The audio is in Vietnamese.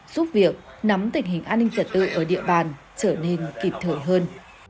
giúp việc nắm tình hình an ninh trật tự ở địa bàn trở nên kịp thời hơn